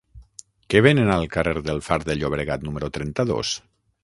Què venen al carrer del Far de Llobregat número trenta-dos?